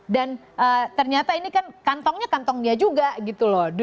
dan ternyata ini kan kantongnya kantongnya juga gitu loh